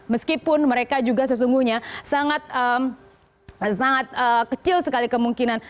meskipun mereka juga sesungguhnya sangat kecil sekali kemungkinan